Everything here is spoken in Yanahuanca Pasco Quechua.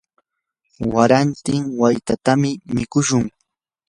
warantin watyatam mikushun.